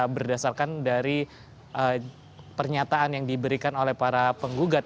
berdasarkan dari pernyataan yang diberikan oleh para penggugat